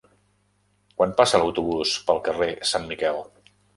Quan passa l'autobús pel carrer Sant Miquel?